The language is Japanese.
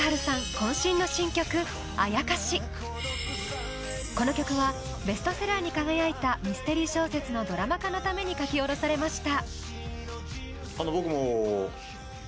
この曲は、ベストセラーに輝いたミステリー小説のドラマ化のために書き下ろされました。